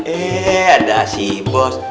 eh ada sih bos